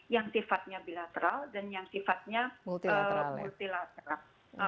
yang sifatnya bilateral dan yang sifatnya multilateral